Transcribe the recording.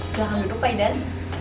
silahkan duduk pak idan